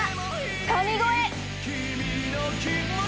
神声。